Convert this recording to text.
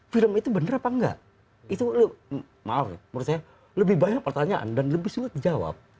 film itu benar apa enggak itu maaf menurut saya lebih banyak pertanyaan dan lebih sulit dijawab